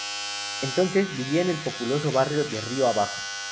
Entonces, vivía en el populoso barrio de Río Abajo.